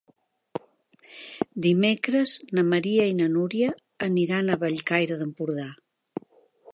Dimecres na Maria i na Núria aniran a Bellcaire d'Empordà.